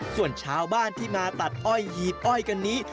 ส่วนชาวบ้านที่มาตัดอ้อยหีบอ้อยกันนี้